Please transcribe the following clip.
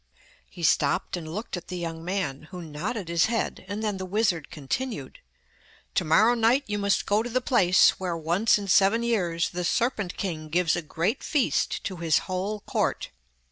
He stopped and looked at the young man, who nodded his head, and then the wizard continued, 'To morrow night you must go to the place where, once in seven years, the serpent king gives a great feast to his whole court.